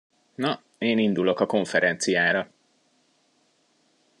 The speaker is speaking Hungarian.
Na, én indulok a konferenciára!